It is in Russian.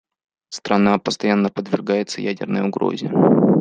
Страна постоянно подвергается ядерной угрозе.